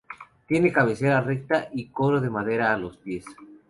Tiene cabecera recta y coro de madera a los pies.